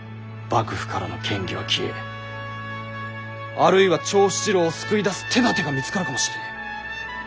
幕府からの嫌疑は消えあるいは長七郎を救い出す手だてが見つかるかもしれねぇ。